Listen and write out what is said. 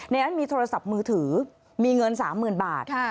ในนั้นมีโทรศัพท์มือถือมีเงินสามหมื่นบาทค่ะ